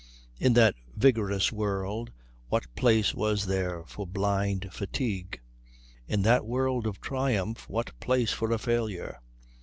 In that vigorous world what place was there for blind fatigue? In that world of triumph what place for a failure?